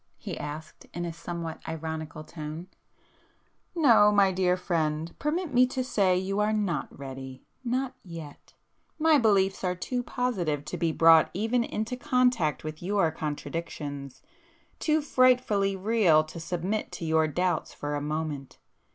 he asked in a somewhat ironical tone—"No, my dear friend!—permit me to say you are not ready—not yet! My beliefs are too positive to be brought even into contact with your contradictions,—too frightfully real to submit to your doubts for a moment.